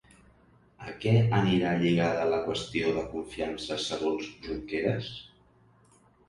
A què anirà lligada la qüestió de confiança segons Junqueras?